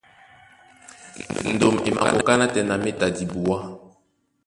Ndôm e makoká nátɛna méta dibuá.